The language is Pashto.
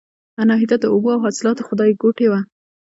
اناهیتا د اوبو او حاصلاتو خدایګوټې وه